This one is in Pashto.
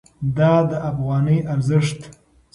دا د افغانۍ ارزښت ساتي.